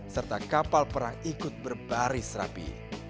serta kapal perang ikut berbaris rapi